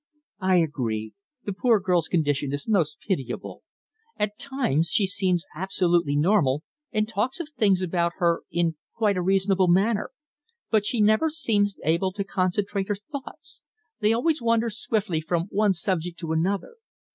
"I agree. The poor girl's condition is most pitiable. At times she seems absolutely normal, and talks of things about her in quite a reasonable manner. But she never seems able to concentrate her thoughts. They always wander swiftly from one subject to another.